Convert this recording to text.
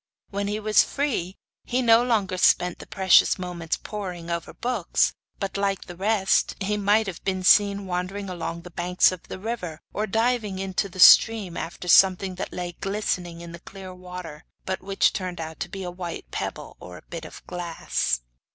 When he was free he no longer spent the precious moments poring over books, but, like the rest, he might have been seen wandering along the banks of the river, or diving into the stream after something that lay glistening in the clear water, but which turned out to be a white pebble or a bit of glass.